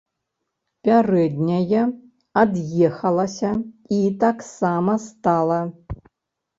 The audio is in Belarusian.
Пярэдняя ад'ехалася і таксама стала.